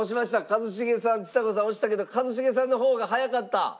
一茂さんちさ子さん押したけど一茂さんの方が早かった。